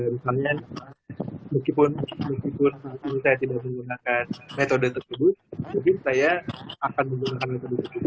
misalnya meskipun saya tidak menggunakan metode tersebut mungkin saya akan menggunakan metode tersebut